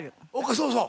そうそう。